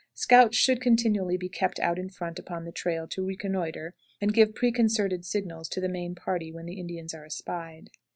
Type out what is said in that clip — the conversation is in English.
Scouts should continually be kept out in front upon the trail to reconnoitre and give preconcerted signals to the main party when the Indians are espied.